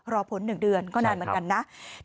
รอผล๑เดือนก็นานเหมือนกันนะ